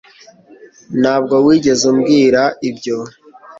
ntabwo wigeze umbwira ibyo